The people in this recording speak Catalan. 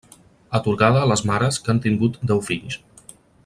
Atorgada a les mares que han tingut deu fills.